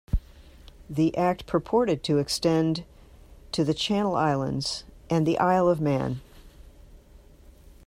The Act purported to extend to the Channel Islands and the Isle of Man.